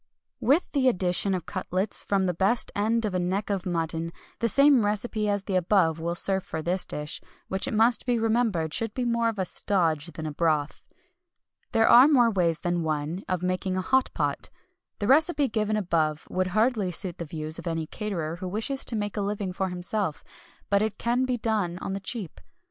With the addition of cutlets from the best end of a neck of mutton, the same recipe as the above will serve for this dish, which it must be remembered should be more of a "stodge" than a broth. There are more ways than one of making a "hot pot." The recipe given above would hardly suit the views of any caterer who wishes to make a living for himself; but it can be done on the cheap.